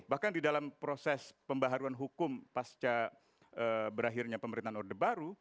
bahkan di dalam proses pembaharuan hukum pasca berakhirnya pemerintahan orde baru